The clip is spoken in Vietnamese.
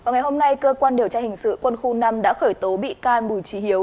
ngày hôm nay cơ quan điều tra hình sự quân khu năm đã khởi tố bị can bùi trí hiếu